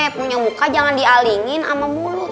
punya muka jangan dialingin sama bulut